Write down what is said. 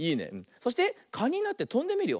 そしてかになってとんでみるよ。